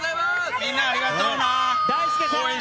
みんなありがとうな。